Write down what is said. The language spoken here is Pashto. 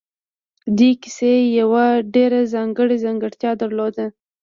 دې کيسې يوه ډېره ځانګړې ځانګړتيا درلوده.